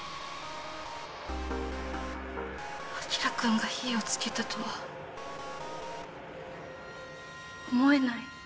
晶くんが火をつけたとは思えない。